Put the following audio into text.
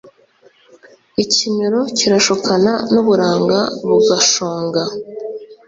Ikimero kirashukana n’uburanga bugashonga